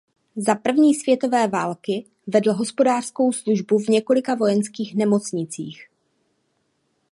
Za první světové války vedl hospodářskou službu v několika vojenských nemocnicích.